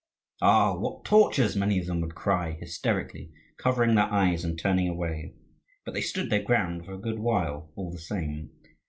"Ah, what tortures!" many of them would cry, hysterically, covering their eyes and turning away; but they stood their ground for a good while, all the same.